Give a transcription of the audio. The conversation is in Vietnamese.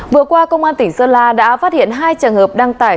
vừa qua công an tỉnh sơn la đã phát hiện hai trường hợp đăng tải